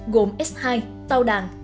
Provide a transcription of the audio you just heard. gồm s hai tàu đàn